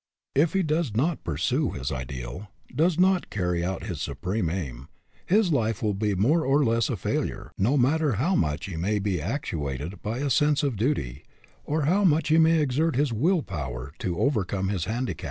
If he does not pursue his ideal, does not carry out his supreme aim, his life will be more or less of a failure, no matter how much he may be actuated by a sense of duty, or how much he may exert his will power to over come his handicap.